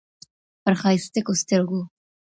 پر ښايستوكو سترگو